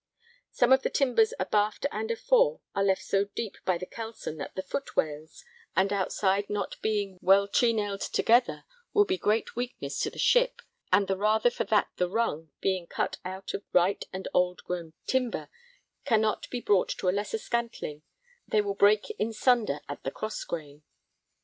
Some of the timbers abaft and afore are left so deep by the kelson that the footwales and outside not being well trenailed together will be a great weakness to the ship, and the rather for that the rung, being cut out of right and old grown timber, cannot be brought to a lesser scantling, they will break in sunder at the cross grain.